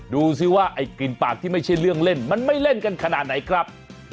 ดูสิว่าไอ้กลิ่นปากที่ไม่ใช่เรื่องเล่นมันไม่เล่นกันขนาดไหนครับ